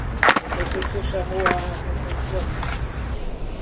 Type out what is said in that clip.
O professor chamou a atenção dos alunos.